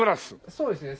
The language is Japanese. そうですね。